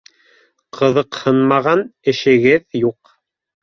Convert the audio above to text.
Ҡыҙыҡһынмаған эшегеҙ юҡ